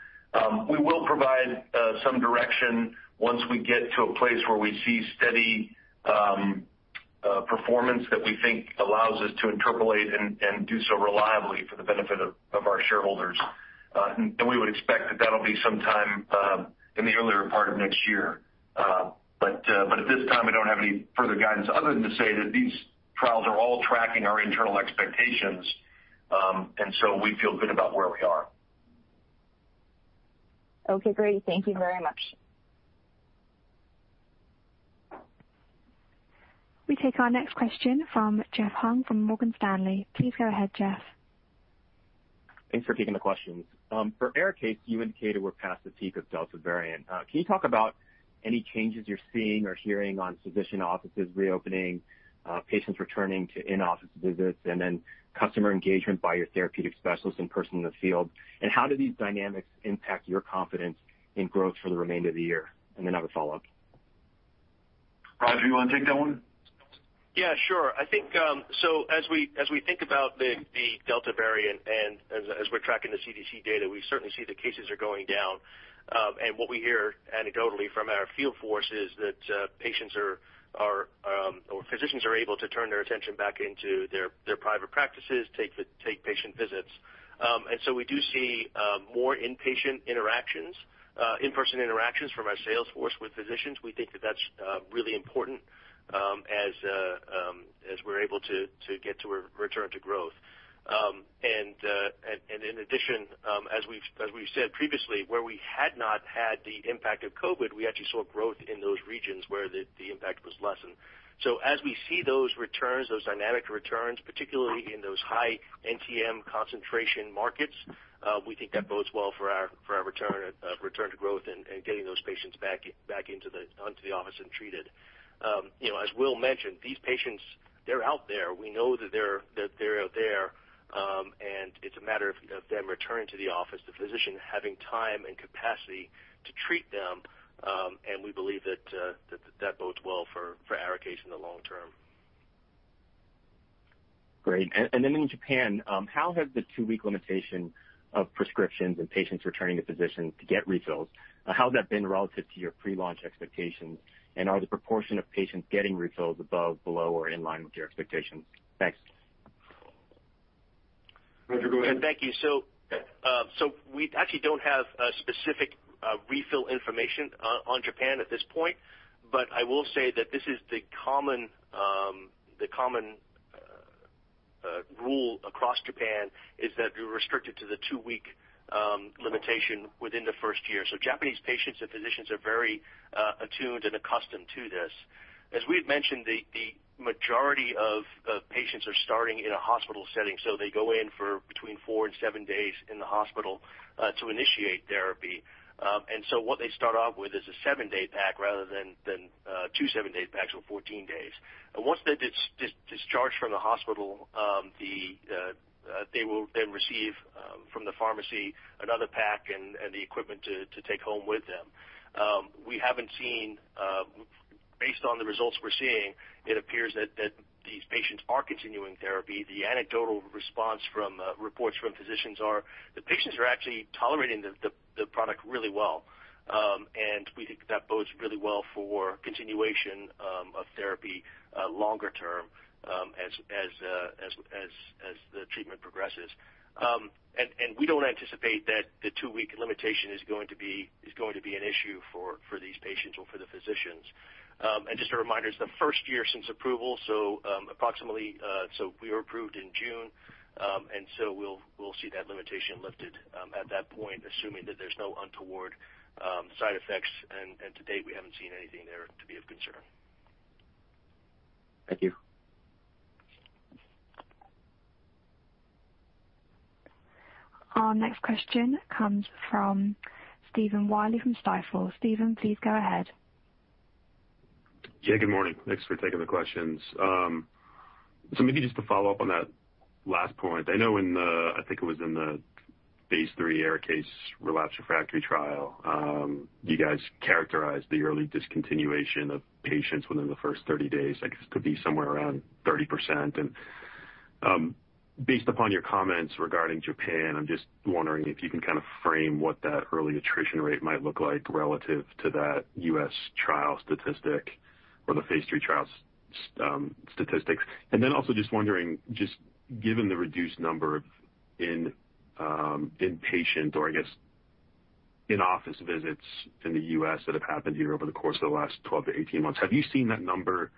We will provide some direction once we get to a place where we see steady performance that we think allows us to interpolate and do so reliably for the benefit of our shareholders. We would expect that that'll be sometime in the earlier part of next year. At this time, we don't have any further guidance other than to say that these trials are all tracking our internal expectations, and we feel good about where we are. Okay, great. Thank you very much. We take our next question from Jeffrey Hung from Morgan Stanley. Please go ahead, Jeff. Thanks for taking the questions. For ARIKAYCE, you indicated we're past the peak of Delta variant. Can you talk about any changes you're seeing or hearing on physician offices reopening, patients returning to in-office visits, and then customer engagement by your therapeutic specialists in person in the field? How do these dynamics impact your confidence in growth for the remainder of the year? Then I have a follow-up. Roger, you wanna take that one? Yeah, sure. I think so as we think about the Delta variant and as we're tracking the CDC data, we certainly see the cases are going down. What we hear anecdotally from our field force is that patients or physicians are able to turn their attention back into their private practices, take patient visits. We do see more in-person interactions from our sales force with physicians. We think that that's really important as we're able to get to a return to growth. In addition, as we've said previously, where we had not had the impact of COVID, we actually saw growth in those regions where the impact was lessened. As we see those returns, those dynamic returns, particularly in those high NTM concentration markets, we think that bodes well for our return to growth and getting those patients back into the office and treated. You know, as Will mentioned, these patients, they're out there. We know that they're out there, and it's a matter of them returning to the office, the physician having time and capacity to treat them, and we believe that bodes well for ARIKAYCE in the long term. Great. In Japan, how has the two-week limitation of prescriptions and patients returning to physicians to get refills been relative to your pre-launch expectations? Are the proportion of patients getting refills above, below, or in line with your expectations? Thanks. Roger, go ahead. Thank you. We actually don't have specific refill information on Japan at this point, but I will say that this is the common rule across Japan is that you're restricted to the two-week limitation within the first year. Japanese patients and physicians are very attuned and accustomed to this. As we had mentioned, the majority of patients are starting in a hospital setting, so they go in for between four and seven days in the hospital to initiate therapy. What they start off with is a seven-day pack rather than two seven-day packs or 14 days. Once they discharge from the hospital, they will then receive from the pharmacy another pack and the equipment to take home with them. We haven't seen. Based on the results we're seeing, it appears that these patients are continuing therapy. The anecdotal response from reports from physicians are the patients are actually tolerating the product really well. We think that bodes really well for continuation of therapy longer term, as the treatment progresses. We don't anticipate that the two-week limitation is going to be an issue for these patients or for the physicians. Just a reminder, it's the first year since approval, so we were approved in June, and we'll see that limitation lifted at that point, assuming that there's no untoward side effects, and to date, we haven't seen anything there to be of concern. Thank you. Our next question comes from Stephen Willey from Stifel. Stephen, please go ahead. Yeah, good morning. Thanks for taking the questions. Maybe just to follow up on that last point. I know in the, I think it was in the phase III ARIKAYCE's relapsed refractory trial, you guys characterized the early discontinuation of patients within the first 30 days, I guess, could be somewhere around 30%. Based upon your comments regarding Japan, I'm just wondering if you can kind of frame what that early attrition rate might look like relative to that U.S. trial statistic or the phase III trial statistics. Also just wondering, just given the reduced number of inpatient or, I guess, in-office visits in the U.S. that have happened here over the course of the last 12-18 months, have you seen that number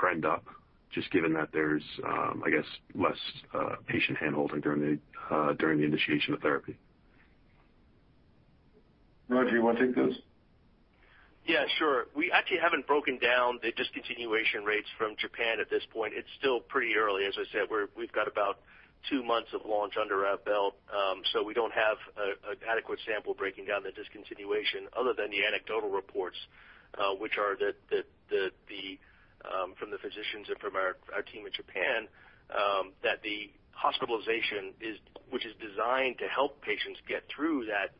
trend up just given that there's, I guess, less patient handholding during the initiation of therapy? Rod, do you wanna take this? Yeah, sure. We actually haven't broken down the discontinuation rates from Japan at this point. It's still pretty early. As I said, we've got about two months of launch under our belt, so we don't have an adequate sample breaking down the discontinuation other than the anecdotal reports, which are that from the physicians and from our team in Japan, that the hospitalization, which is designed to help patients get through that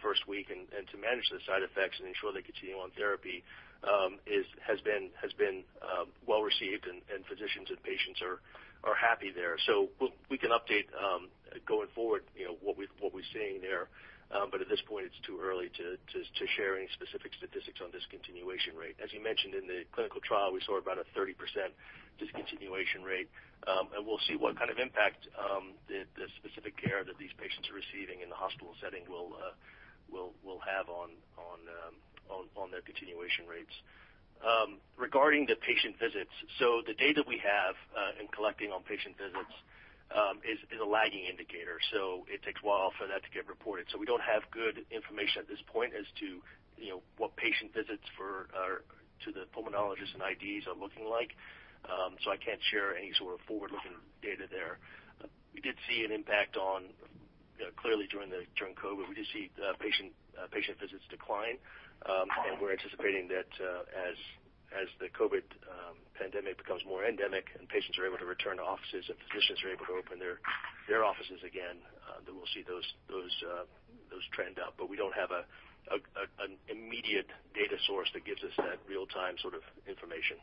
first week and to manage the side effects and ensure they continue on therapy, has been well received and physicians and patients are happy there. We can update going forward, you know, what we're seeing there. At this point, it's too early to share any specific statistics on discontinuation rate. As you mentioned in the clinical trial, we saw about a 30% discontinuation rate, and we'll see what kind of impact the specific care that these patients are receiving in the hospital setting will have on their continuation rates. Regarding the patient visits, the data we have in collecting on patient visits is a lagging indicator, so it takes a while for that to get reported. We don't have good information at this point as to, you know, what patient visits to the pulmonologists and IDs are looking like, so I can't share any sort of forward-looking data there. We did see an impact on, you know, clearly during the COVID. We did see patient visits decline, and we're anticipating that as the COVID pandemic becomes more endemic and patients are able to return to offices and physicians are able to open their offices again, then we'll see those trend up. We don't have an immediate data source that gives us that real-time sort of information.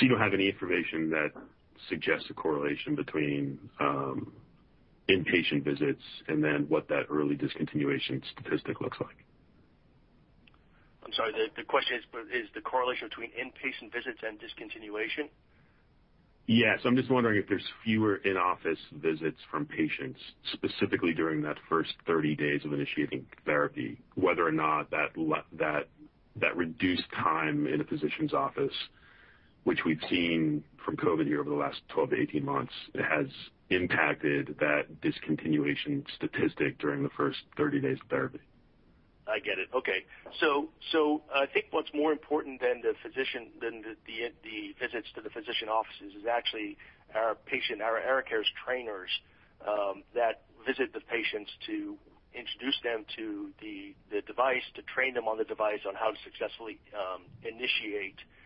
You don't have any information that suggests a correlation between inpatient visits and then what that early discontinuation statistic looks like? I'm sorry. The question is the correlation between in-patient visits and discontinuation? Yes. I'm just wondering if there's fewer in-office visits from patients, specifically during that first 30 days of initiating therapy, whether or not that reduced time in a physician's office, which we've seen from COVID here over the last 12-18 months, it has impacted that discontinuation statistic during the first 30 days of therapy? I get it. Okay. I think what's more important than the visits to the physician offices is actually our patient, our ARIKAYCE trainers that visit the patients to introduce them to the device, to train them on the device on how to successfully initiate therapy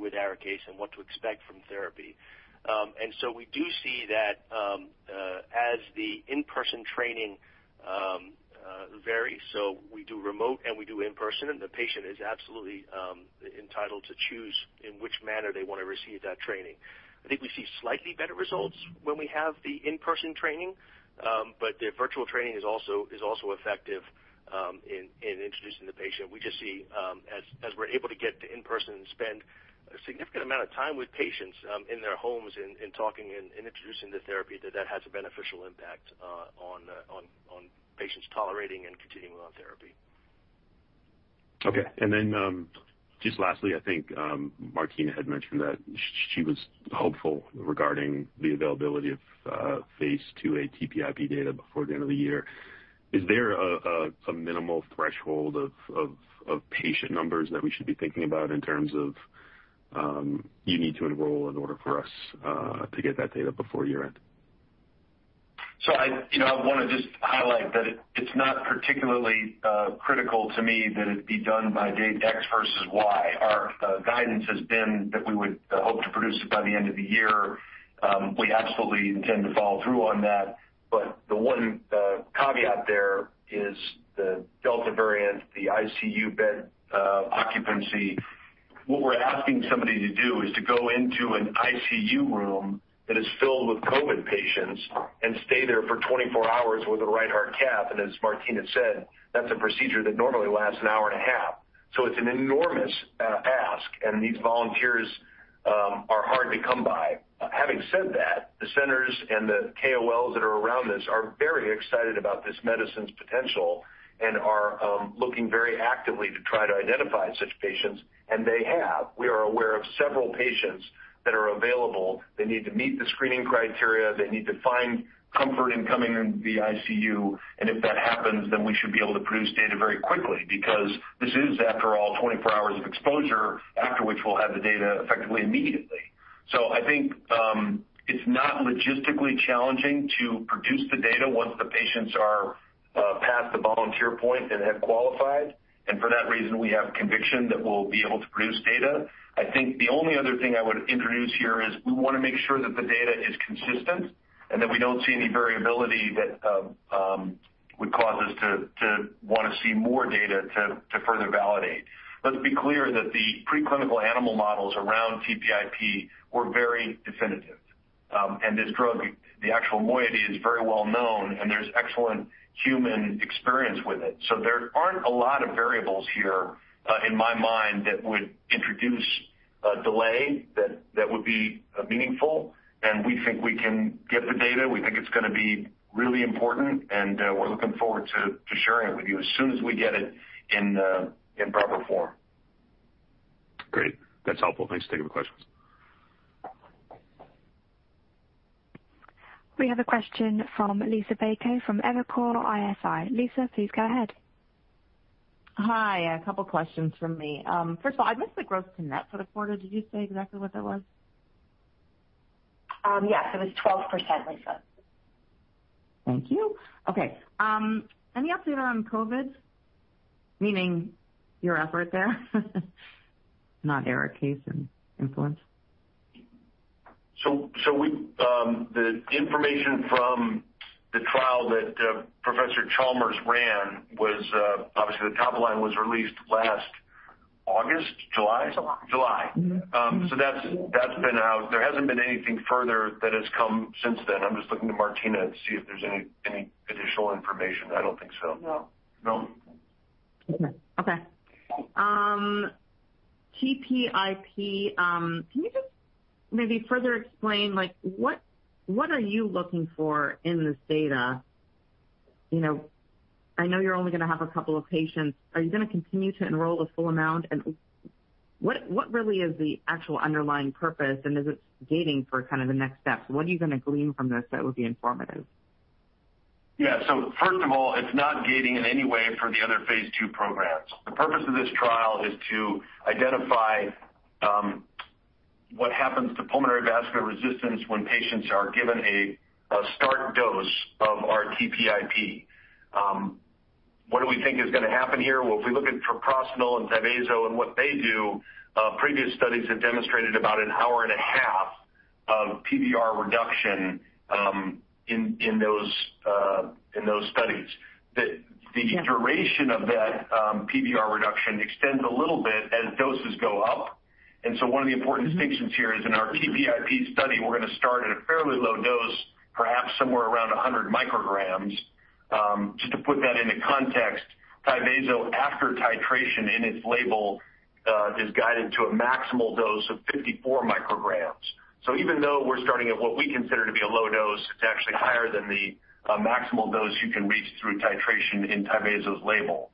with ARIKAYCE and what to expect from therapy. We do see that as the in-person training varies, so we do remote and we do in person, and the patient is absolutely entitled to choose in which manner they wanna receive that training. I think we see slightly better results when we have the in-person training, but the virtual training is also effective in introducing the patient. We just see, as we're able to get to in-person and spend a significant amount of time with patients in their homes and talking and introducing the therapy, that has a beneficial impact on patients tolerating and continuing on therapy. Okay. Just lastly, I think Dr. Martina Flammer had mentioned that she was hopeful regarding the availability of phase II TPIP data before the end of the year. Is there a minimal threshold of patient numbers that we should be thinking about in terms of you need to enroll in order for us to get that data before year-end? I you know wanna just highlight that it's not particularly critical to me that it be done by date X versus Y. Our guidance has been that we would hope to produce it by the end of the year. We absolutely intend to follow through on that. The one caveat there is the Delta variant, the ICU bed occupancy. What we're asking somebody to do is to go into an ICU room that is filled with COVID patients and stay there for 24 hours with a right heart cath. As Martina said, that's a procedure that normally lasts an hour and a half. It's an enormous ask, and these volunteers are hard to come by. Having said that, the centers and the KOLs that are around this are very excited about this medicine's potential and are looking very actively to try to identify such patients, and they have. We are aware of several patients that are available. They need to meet the screening criteria. They need to find comfort in coming into the ICU. If that happens, then we should be able to produce data very quickly because this is, after all, 24 hours of exposure, after which we'll have the data effectively immediately. I think it's not logistically challenging to produce the data once the patients are past the volunteer point and have qualified. For that reason, we have conviction that we'll be able to produce data. I think the only other thing I would introduce here is we wanna make sure that the data is consistent and that we don't see any variability that would cause us to wanna see more data to further validate. Let's be clear that the preclinical animal models around TPIP were very definitive. This drug, the actual moiety is very well known, and there's excellent human experience with it. There aren't a lot of variables here, in my mind, that would introduce a delay that would be meaningful. We think we can get the data. We think it's gonna be really important, and we're looking forward to sharing it with you as soon as we get it in proper form. Great. That's helpful. Thanks. Taking the questions. We have a question from Liisa Bayko from Evercore ISI. Lisa, please go ahead. Hi. A couple questions from me. First of all, I missed the growth to net for the quarter. Did you say exactly what that was? Yes, it was 12%, Lisa. Thank you. Okay. Any update on COVID? Meaning your effort there, not ARIKAYCE and influenza. The information from the trial that Professor Chalmers ran was obviously the top line was released last August or July? July. July. That's been out. There hasn't been anything further that has come since then. I'm just looking to Martina to see if there's any additional information. I don't think so. No. No? Okay. TPIP, can you just maybe further explain, like, what are you looking for in this data? You know, I know you're only gonna have a couple of patients. Are you gonna continue to enroll the full amount? And what really is the actual underlying purpose, and is it gating for kind of the next steps? What are you gonna glean from this that would be informative? Yeah. First of all, it's not gating in any way for the other phase II programs. The purpose of this trial is to identify what happens to pulmonary vascular resistance when patients are given a start dose of our TPIP. What do we think is gonna happen here? Well, if we look at treprostinil and Tyvaso and what they do, previous studies have demonstrated about an hour and a half of PVR reduction in those studies. The duration of that PVR reduction extends a little bit as doses go up. One of the important distinctions here is in our TPIP study, we're gonna start at a fairly low dose, perhaps somewhere around 100 micrograms. Just to put that into context, Tyvaso, after titration in its label, is guided to a maximal dose of 54 micrograms. Even though we're starting at what we consider to be a low dose, it's actually higher than the maximal dose you can reach through titration in Tyvaso's label.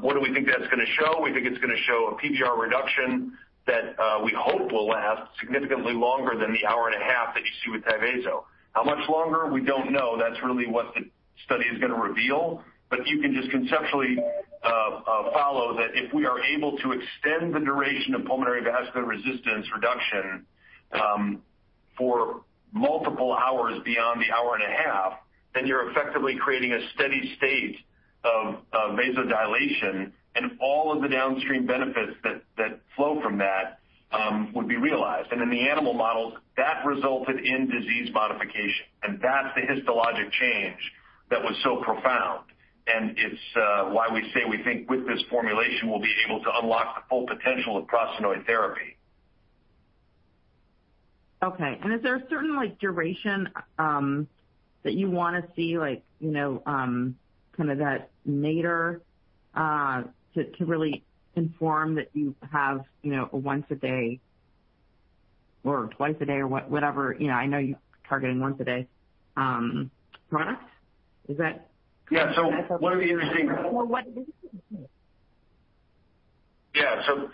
What do we think that's gonna show? We think it's gonna show a PVR reduction that we hope will last significantly longer than the hour and a half that you see with Tyvaso. How much longer? We don't know. That's really what the study is gonna reveal. You can just conceptually follow that if we are able to extend the duration of pulmonary vascular resistance reduction, for multiple hours beyond the hour and a half, then you're effectively creating a steady state of vasodilation, and all of the downstream benefits that flow from that would be realized. In the animal models, that resulted in disease modification, and that's the histologic change that was so profound. It's why we say we think with this formulation, we'll be able to unlock the full potential of prostanoid therapy. Okay. Is there a certain, like, duration that you wanna see, like, you know, kind of that nadir to really inform that you have, you know, a once a day or twice a day or whatever, you know, I know you're targeting once a day product? Is that- One of the interesting. What? Yeah.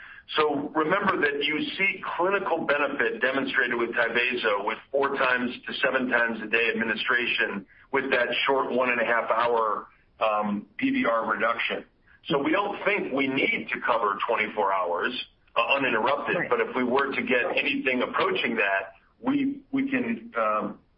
Remember that you see clinical benefit demonstrated with Tyvaso with four-seven times a day administration with that short 1.5-hour PVR reduction. We don't think we need to cover 24 hours uninterrupted. If we were to get anything approaching that, we can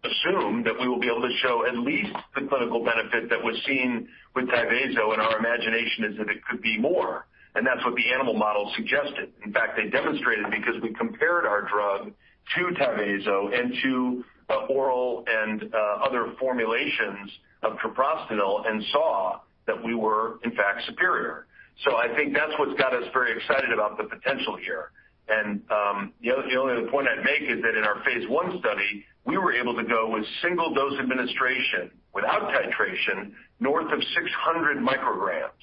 assume that we will be able to show at least the clinical benefit that was seen with Tyvaso, and our imagination is that it could be more. That's what the animal model suggested. In fact, they demonstrated because we compared our drug to Tyvaso and to oral and other formulations of treprostinil and saw that we were in fact superior. I think that's what's got us very excited about the potential here. The only other point I'd make is that in our phase I study, we were able to go with single dose administration without titration north of 600 micrograms.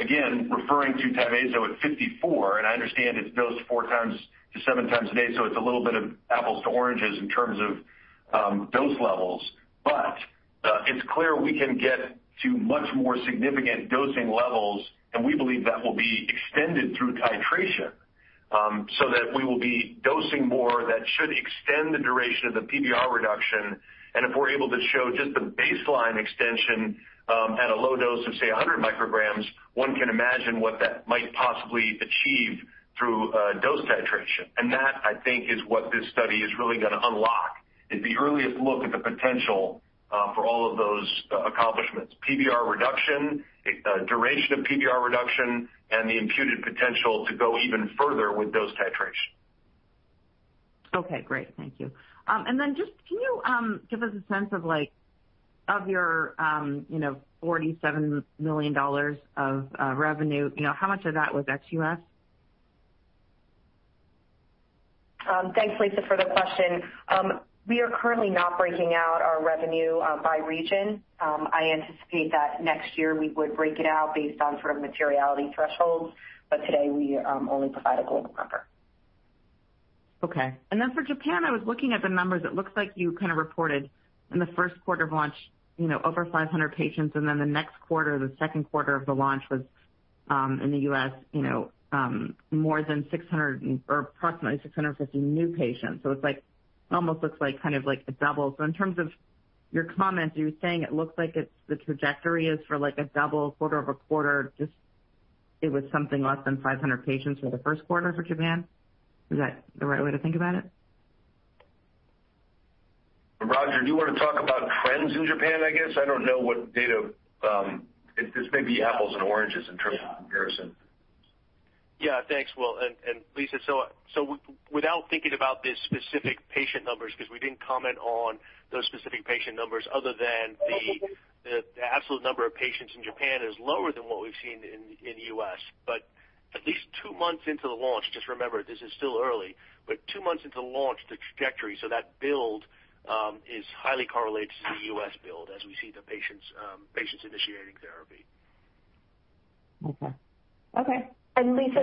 Again, referring to Tyvaso at 54, and I understand it's dosed four-seven times a day, so it's a little bit of apples to oranges in terms of dose levels. It's clear we can get to much more significant dosing levels, and we believe that will be extended through titration, so that we will be dosing more. That should extend the duration of the PVR reduction. If we're able to show just the baseline extension at a low dose of, say, 100 micrograms, one can imagine what that might possibly achieve through dose titration. That, I think, is what this study is really gonna unlock. It's the earliest look at the potential for all of those accomplishments, PVR reduction, duration of PVR reduction, and the imputed potential to go even further with those titrations. Okay, great. Thank you. Just can you give us a sense of, like, of your, you know, $47 million of revenue, you know, how much of that was ex-US? Thanks, Liisa, for the question. We are currently not breaking out our revenue by region. I anticipate that next year we would break it out based on sort of materiality thresholds, but today we only provide a global number. Okay. For Japan, I was looking at the numbers. It looks like you kind of reported in the first quarter of launch, you know, over 500 patients, and then the next quarter, the second quarter of the launch was in the U.S., you know, more than 600 or approximately 650 new patients. It's like, almost looks like kind of like a double. In terms of your comments, you're saying it looks like it's the trajectory is for like a double quarter-over-quarter, just it was something less than 500 patients for the first quarter for Japan. Is that the right way to think about it? Roger, do you wanna talk about trends in Japan, I guess? I don't know what data. This may be apples and oranges in terms of comparison. Yeah. Thanks, Will and Liisa. Without thinking about the specific patient numbers because we didn't comment on those specific patient numbers other than the absolute number of patients in Japan is lower than what we've seen in the U.S. At least two months into the launch, just remember, this is still early, but two months into the launch, the trajectory, so that build, is highly correlated to the U.S. build as we see the patients initiating therapy. Okay. Okay. Liisa,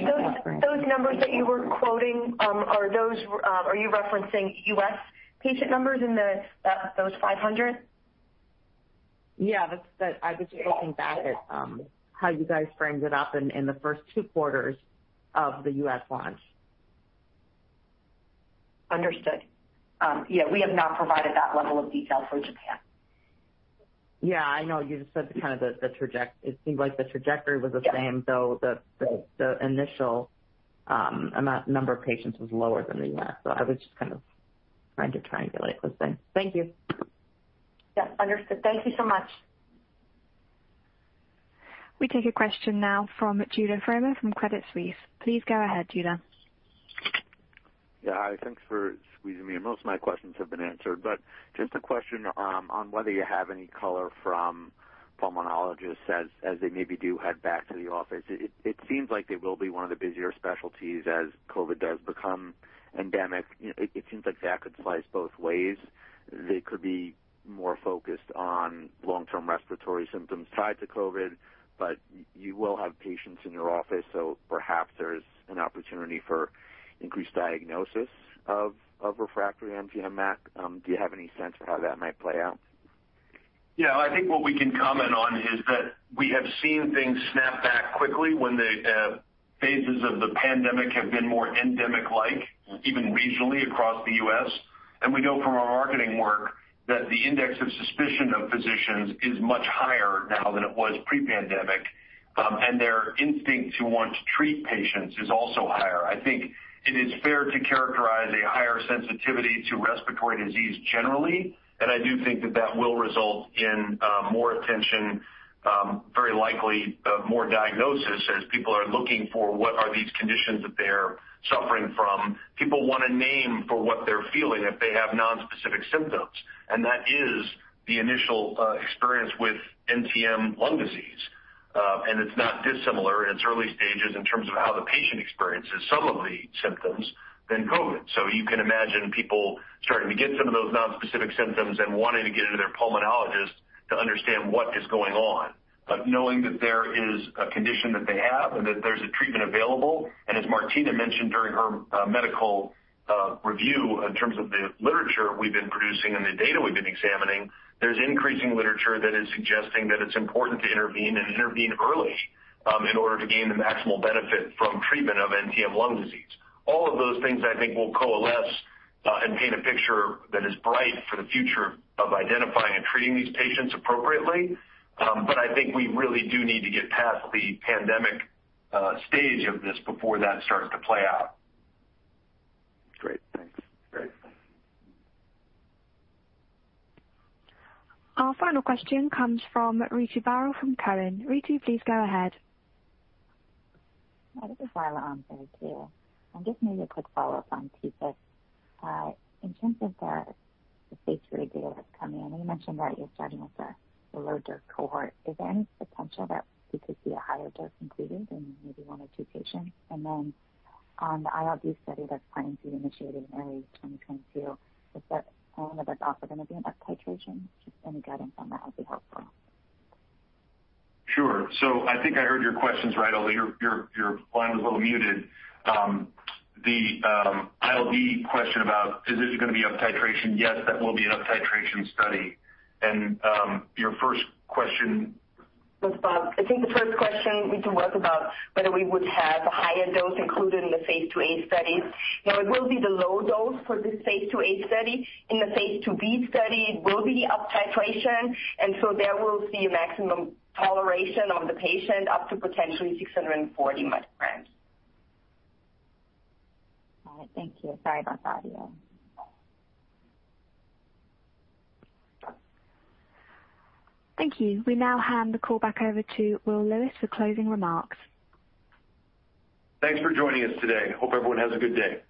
those numbers that you were quoting, are you referencing U.S. patient numbers in those 500? Yeah. I was just looking back at how you guys framed it up in the first two quarters of the U.S. launch. Understood. Yeah, we have not provided that level of detail for Japan. Yeah, I know you just said kind of it seemed like the trajectory was the same, though the initial amount number of patients was lower than the U.S. I was just kind of trying to triangulate those things. Thank you. Yeah, understood. Thank you so much. We take a question now from Judah Frommer from Credit Suisse. Please go ahead, Judah. Yeah. Hi. Thanks for squeezing me in. Most of my questions have been answered, but just a question on whether you have any color from pulmonologists as they maybe do head back to the office. It seems like they will be one of the busier specialties as COVID does become endemic. It seems like that could slice both ways. They could be more focused on long-term respiratory symptoms tied to COVID, but you will have patients in your office, so perhaps there's an opportunity for increased diagnosis of refractory NTM MAC. Do you have any sense for how that might play out? Yeah. I think what we can comment on is that we have seen things snap back quickly when the phases of the pandemic have been more endemic-like, even regionally across the U.S. We know from our marketing work that the index of suspicion of physicians is much higher now than it was pre-pandemic, and their instinct to want to treat patients is also higher. I think it is fair to characterize a higher sensitivity to respiratory disease generally, and I do think that that will result in more attention, very likely, more diagnosis as people are looking for what are these conditions that they're suffering from. People want a name for what they're feeling if they have non-specific symptoms, and that is the initial experience with NTM lung disease. It's not dissimilar in its early stages in terms of how the patient experiences some of the symptoms than COVID. You can imagine people starting to get some of those non-specific symptoms and wanting to get into their pulmonologist to understand what is going on, but knowing that there is a condition that they have and that there's a treatment available. As Martina mentioned during her medical review, in terms of the literature we've been producing and the data we've been examining, there's increasing literature that is suggesting that it's important to intervene and intervene early in order to gain the maximal benefit from treatment of NTM lung disease. All of those things, I think, will coalesce and paint a picture that is bright for the future of identifying and treating these patients appropriately. I think we really do need to get past the pandemic stage of this before that starts to play out. Great. Thanks. Great. Our final question comes from Ritu Baral from Cowen. Ritu, please go ahead. I will follow up. Just maybe a quick follow-up on TPIP. In terms of the phase III data that's coming in, you mentioned that you're starting with a lower dose cohort. Is there any potential that we could see a higher dose included in maybe one or two patients? Then on the ILD study that's planning to be initiated in early 2022, is that something that's also gonna be an uptitration? Just any guidance on that would be helpful. Sure. I think I heard your questions right, although your line was a little muted. The ILD question about is this gonna be uptitration? Yes, that will be an uptitration study. Your first question- I think the first question we can talk about whether we would have a higher dose included in the phase II-A studies. No, it will be the low dose for the phase II-A study. In the phase II-B study, it will be uptitration, and so there we'll see maximum toleration of the patient up to potentially 640 milligrams. All right. Thank you. Sorry about the audio. Thank you. We now hand the call back over to Will Lewis for closing remarks. Thanks for joining us today. Hope everyone has a good day.